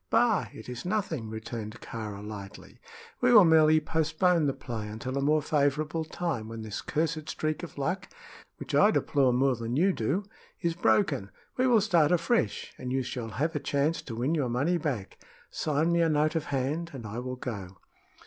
"Bah! it is nothing," returned Kāra, lightly. "We will merely postpone the play until a more favorable time, when this cursed streak of luck which I deplore more than you do is broken. We will start afresh, and you shall have a chance to win your money back. Sign me a note of hand and I will go."